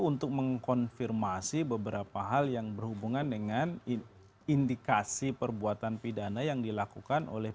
untuk mengkonfirmasi beberapa hal yang berhubungan dengan indikasi perbuatan pidana yang dilakukan oleh